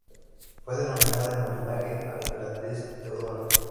Fue denominada en homenaje a la emperatriz Teodora.